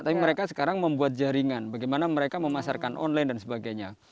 tapi mereka sekarang membuat jaringan bagaimana mereka memasarkan online dan sebagainya